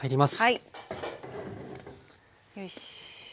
よし。